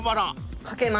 賭けます。